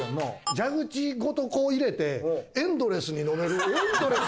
蛇口ごとこう入れてエンドレスに飲める。